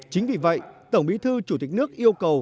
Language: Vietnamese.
chính vì vậy tổng bí thư chủ tịch nước yêu cầu